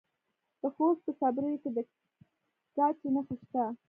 د خوست په صبریو کې د ګچ نښې شته.